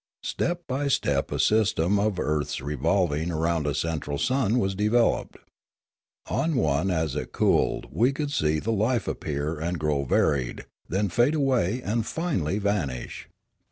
Step by step a system of earths revolving round a central sun was developed. On one as it cooled we could see life appear and grow varied, then fade away and finally vanish.